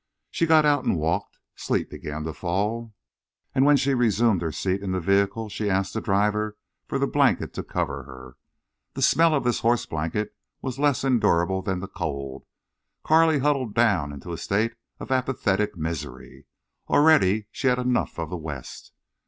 She got out and walked. Sleet began to fall, and when she resumed her seat in the vehicle she asked the driver for the blanket to cover her. The smell of this horse blanket was less endurable than the cold. Carley huddled down into a state of apathetic misery. Already she had enough of the West.